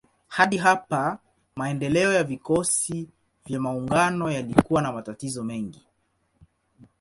Hadi hapa maendeleo ya vikosi vya maungano yalikuwa na matatizo mengi.